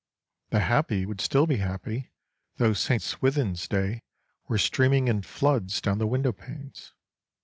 The happy would still be happy though St Swithin's Day were streaming in floods down the window panes.